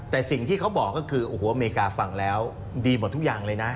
แต่สิ่งที่เขาบอกก็คือโอ้โหอเมริกาฟังแล้วดีหมดทุกอย่างเลยนะ